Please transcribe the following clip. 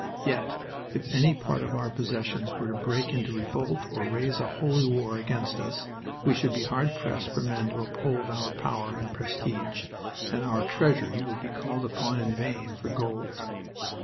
Yet if any part of our possessions were to break into revolt or raise a "holy war" against us, we should be hard pressed for men to uphold our power and prestige, and our treasury would be called upon in vain for gold.